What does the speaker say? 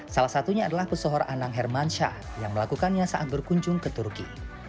salah satunya adalah pesohor anang hermansyah yang melakukannya saat berkunjung ke turki